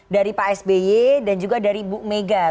dari pak sby dan juga dari bu mega